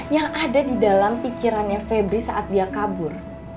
yang ada di dalam pikirannya febri saat dia kabur